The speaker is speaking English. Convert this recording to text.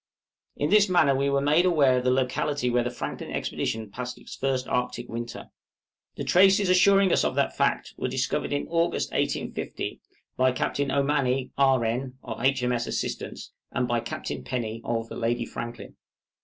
In this manner were we made aware of the locality where the Franklin expedition passed its first Arctic winter. The traces assuring us of that fact, were discovered in August, 1850, by Captain Ommanney, R.N., of H.M.S. 'Assistance,' and by Captain Penny, of the 'Lady Franklin.'